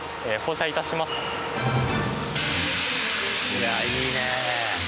いやあいいね。